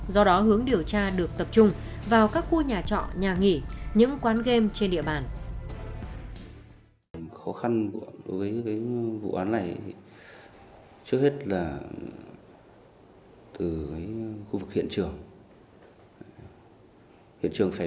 do đó hướng điều tra được tập trung vào các khu nhà trọ nhà nghỉ những quán game trên địa phương khác tới không có nhận dạng như công nhân hay những người làm việc lao động chân tay